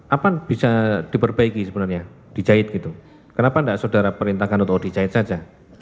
apa bisa diperbaiki sebenarnya dijahit gitu kenapa tidak saudara perintahkan untuk dijahit saja